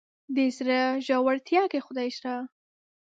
د زړه ژورتيا کې خدای شته.